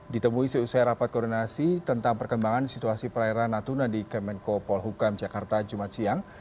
ditemui seusai rapat koordinasi tentang perkembangan situasi perairan natuna di kemenko polhukam jakarta jumat siang